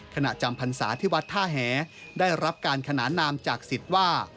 จำพรรษาที่วัดท่าแหได้รับการขนานนามจากสิทธิ์ว่า